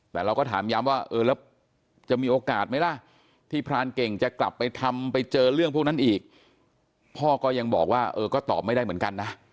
แต่เราก็ถามย้ำว่าเออแล้วจะมีโอกาสไหมล่ะที่พรานเก่งจะกลับไปทำไปเจอเรื่องพวกนั้นอีกพ่อก็ยังบอกว่าเออก็ตอบไม่ได้เหมือนกันนะ